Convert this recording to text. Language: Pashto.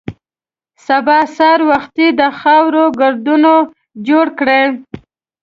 سبا سهار وختي د خاورو ګردونه جوړ کړي.